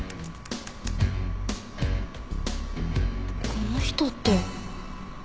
この人って。